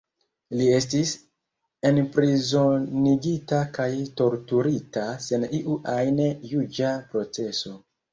Li estis enprizonigita kaj torturita, sen iu ajn juĝa proceso.